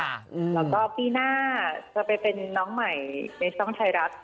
แล้วก็ปีหน้าจะไปเป็นน้องใหม่ในช่องไทยรัฐ